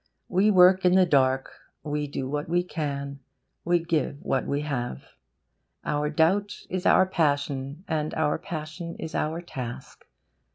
We work in the dark we do what we can we give what we have. Our doubt is our passion and our passion is our task.